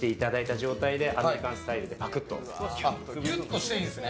ギュッとしていいんですね？